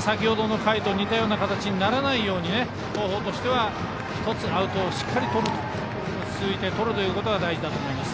先程の回と似たような形にならないように東邦としては１つアウトを、しっかり落ち着いてとることが大事だと思います。